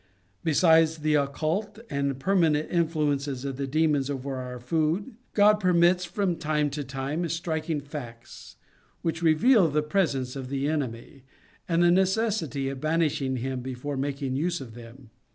Besides the occult and permanent influences of the demons over our food, God permits, from time to time, striking facts, which reveal the presence of the enemy, and the necessity of banishing him before making use of them.